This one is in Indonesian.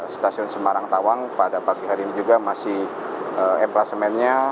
stasiun semarang tawang pada pagi hari ini juga masih emplasemennya